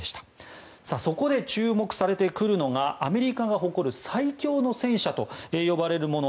そこで注目されてくるのがアメリカが誇る最強の戦車と呼ばれるもの